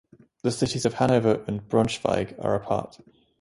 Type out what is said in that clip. The cities of Hanover und Braunschweig are apart.